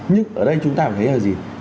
nhưng ở đây chúng ta phải thấy là gì